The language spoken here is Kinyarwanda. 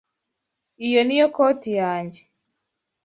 Iyo niyo koti yanjye.